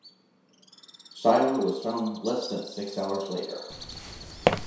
Schuyler was found less than six hours later.